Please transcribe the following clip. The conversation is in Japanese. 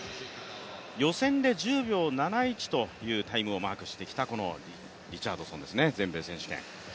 予選で１０秒７１というタイムをマークしてきたリチャードソンですね全米選手権。